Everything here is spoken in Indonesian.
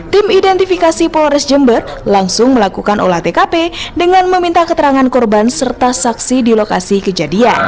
tim identifikasi polres jember langsung melakukan olah tkp dengan meminta keterangan korban serta saksi di lokasi kejadian